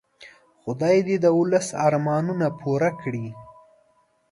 خدای دې د ولس ارمانونه پوره کړي.